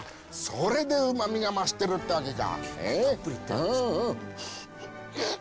それでうまみが増してるってわけか。